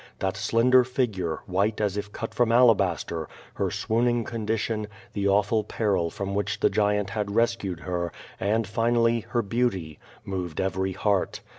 That slender figure, white as if cut from alabaster, her swooning condition, the awful peril from which the giant had rescued her, and finally her beauty, moved every heart.